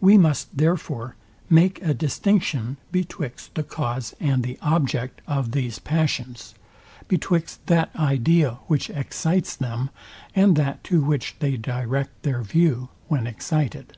We must therefore, make a distinction betwixt the cause and the object of these passions; betwixt that idea, which excites them, and that to which they direct their view, when excited.